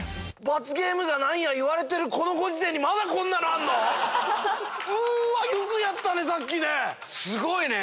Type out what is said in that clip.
罰ゲームが何や言われてるこのご時世にまだこんなのあんの⁉よくやったねさっきね。